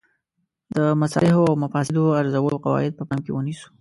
د مصالحو او مفاسدو ارزولو قواعد په پام کې ونیسو.